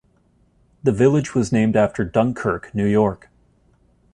The village was named after Dunkirk, New York.